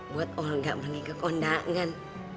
buat olga mimin dan konda kan